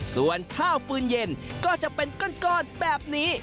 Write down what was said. ส่วนข้าวฟืนเย็นก็จะเป็นก้อนแบบนี้